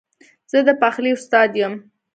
زه د پخلي استاد یم